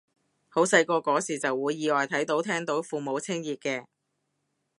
好細個嗰時就會意外睇到聽到父母親熱嘅